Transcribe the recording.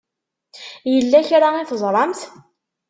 Yella kra i teẓṛamt?